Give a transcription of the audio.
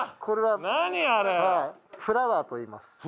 これは「フラワー」といいます。